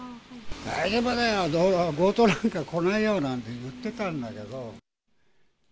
大丈夫だよ、強盗なんて来ないよなんて言ってたんだけど。